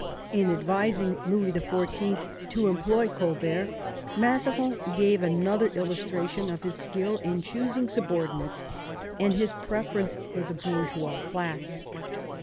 In advising Louis to employ Colbert, Mazarin gave another illustration of his skill in choosing subordinates and his preference for the bawrgeais class.